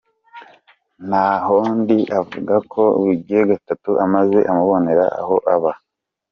Ntahondi avuga ko bugize gatatu amazi amubomorera aho aba.